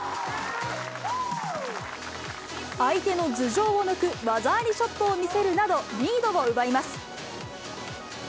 相手の頭上を抜く技ありショットを見せるなど、リードを奪います。